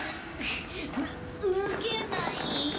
ぬ脱げない。